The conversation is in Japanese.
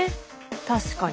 確かに。